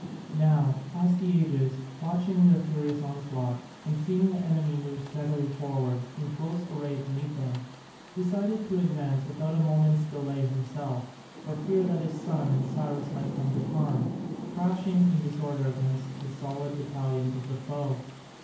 Now Astyages, watching their furious onslaught, and seeing the enemy move steadily forward in close array to meet them, decided to advance without a moment's delay himself, for fear that his son and Cyrus might come to harm, crashing in disorder against the solid battalions of the foe.